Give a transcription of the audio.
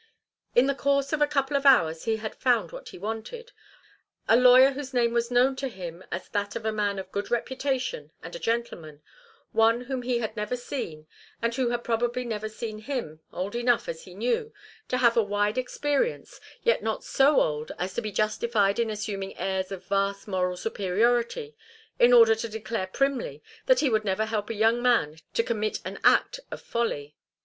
In the course of a couple of hours he had found what he wanted a lawyer whose name was known to him as that of a man of good reputation and a gentleman, one whom he had never seen and who had probably never seen him, old enough, as he knew, to have a wide experience, yet not so old as to be justified in assuming airs of vast moral superiority in order to declare primly that he would never help a young man to commit an act of folly.